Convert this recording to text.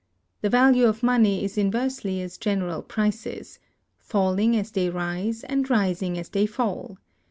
The value of money is inversely as general prices; falling as they rise, and rising as they fall.